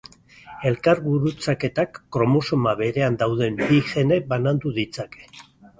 Elkargurutzaketak kromosoma berean dauden bi gene banandu ditzake.